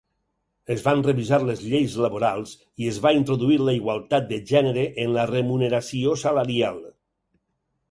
Es van revisar les lleis laborals i es va introduir la igualtat de gènere en la remuneració salarial.